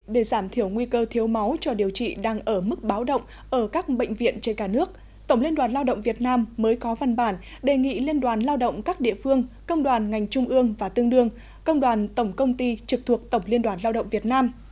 để giảm thiểu nguy cơ thiếu máu cho điều trị đang ở mức báo động ở các bệnh viện trên cả nước tổng liên đoàn lao động việt nam mới có văn bản đề nghị liên đoàn lao động các địa phương công đoàn ngành trung ương và tương đương công đoàn tổng công ty trực thuộc tổng liên đoàn lao động việt nam